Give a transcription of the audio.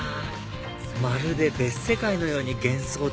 まるで別世界のように幻想的